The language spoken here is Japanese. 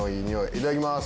いただきます。